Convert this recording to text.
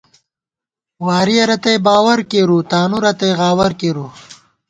وارِیَہ رتئ باوَر کېروؤ ، تانُو رتئ غاوَر کېروؤ